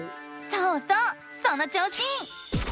そうそうその調子！